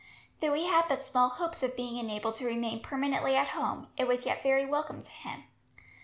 Though he had but small hopes of being enabled to remain permanently at home, it was yet very welcome to him.